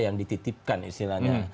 yang dititipkan istilahnya